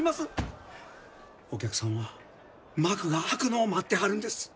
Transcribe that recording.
お客さんは幕が開くのを待ってはるんです。